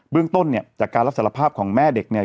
เรื่องต้นเนี่ยจากการรับสารภาพของแม่เด็กเนี่ย